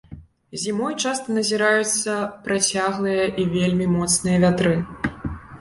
Зімой часта назіраюцца працяглыя і вельмі моцныя вятры.